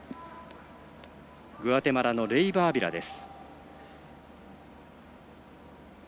グアテマラのレイバアビラです。